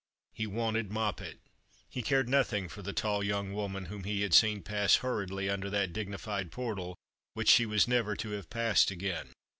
He wanted Moppet. He cared nothing for The Christmas Hirelings. 239 the tall young woman whom he had seen pass hurriedly under that dignified portal which she was never to have passed again.